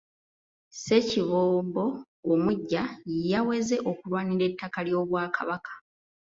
Ssekiboobo omuggya yaweze okulwanirira ettaka ly'Obwakabaka.